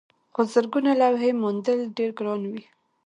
خو زرګونه لوحې موندل ډېر ګران وي.